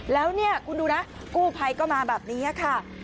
แล้วเนี่ยคุณดูนะกู้ภัยก็มาแบบนี้ค่ะ